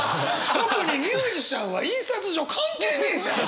特にミュージシャンは印刷所関係ねえじゃん！